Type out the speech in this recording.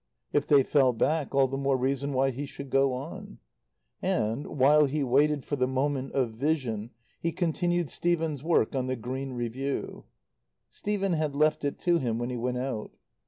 If they fell back, all the more reason why be should go on. And, while he waited for the moment of vision, he continued Stephen's work on the Green Review. Stephen had left it to him when he went out.